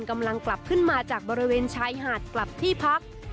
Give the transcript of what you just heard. กำลังกลับขึ้นมาจากบริเวณชายหาดกลับที่พัก